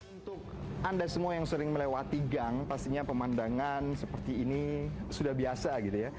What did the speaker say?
untuk anda semua yang sering melewati gang pastinya pemandangan seperti ini sudah biasa gitu ya